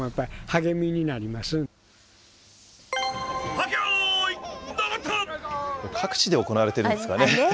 はっけよーい、各地で行われているんですかね。